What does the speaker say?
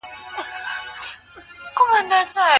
زده کوونکي به ازموینه تېره کړې وي.